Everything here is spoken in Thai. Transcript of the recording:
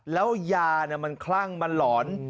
แล้วยามันคลั่งมันหลอน